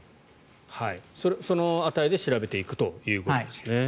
その値で調べていくということですね。